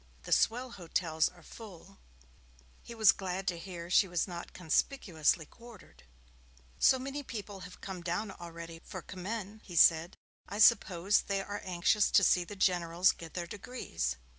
The swell hotels are full.' He was glad to hear she was not conspicuously quartered. 'So many people have come down already for Commem,' he said. 'I suppose they are anxious to see the Generals get their degrees.